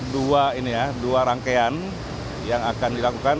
dua ini ya dua rangkaian yang akan dilakukan